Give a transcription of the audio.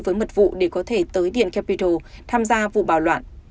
với mật vụ để có thể tới điện capital tham gia vụ bạo loạn